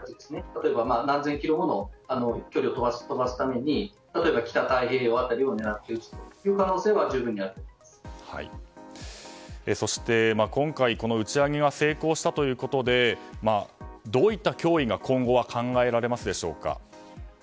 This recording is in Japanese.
例えば、何千キロもの距離を飛ばすために北太平洋辺りを狙って撃つ可能性は今回、打ち上げが成功したということでどういった脅威が今後は考えられますでしょうか？